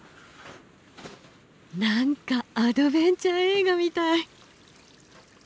何かアドベンチャー映画みたい。